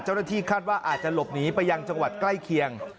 เจ้าหน้าที่คาดว่าอาจจะหลบหนีไปยังจังหวัดใกล้เคียง